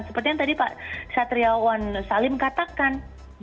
seperti yang tadi pak satriawan salim katakan